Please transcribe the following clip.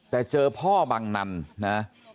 แต่เจอพ่อบังนันนะ